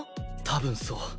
多分そう。